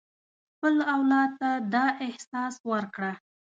خپل اولاد ته دا احساس ورکړه.